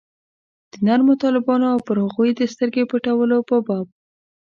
د نرمو طالبانو او پر هغوی د سترګې پټولو په باب.